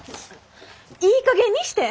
いいかげんにして！